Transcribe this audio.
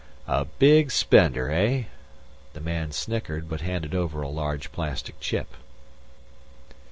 "A big spender, eh?" The man snickered, but handed over a large plastic chip.